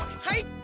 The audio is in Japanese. はい！